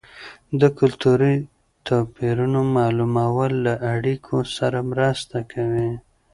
د کلتوري توپیرونو معلومول له اړیکو سره مرسته کوي.